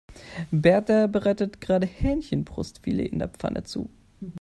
Berta bereitet gerade Hähnchenbrustfilet in der Pfanne zu.